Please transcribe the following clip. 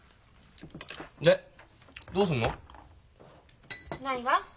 でどうすんの？何が？